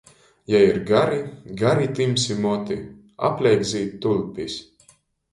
Jai ir gari, gari tymsi moti, apleik zīd tulpis.